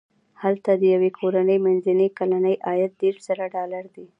هلته د یوې کورنۍ منځنی کلنی عاید دېرش زره ډالر دی.